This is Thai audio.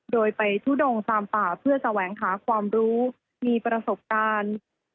โดยไปทุดงตามป่าเพื่อแสวงหาความรู้มีประสบการณ์